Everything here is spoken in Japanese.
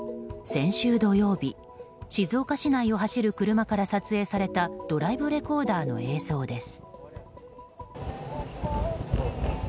先週土曜日、静岡市内を走る車から撮影されたドライブレコーダーの映像です。